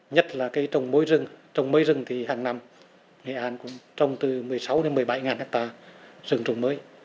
nhất là cái trồng mối rừng trồng mấy rừng thì hàng năm nghệ an cũng trồng từ một mươi sáu đến một mươi bảy hectare rừng trồng mới